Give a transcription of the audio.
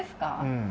うん。